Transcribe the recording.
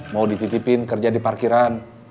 mau dititipin kerja di parkiran